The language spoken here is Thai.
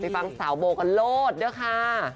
ฟังสาวโบกันโลศด้วยค่ะ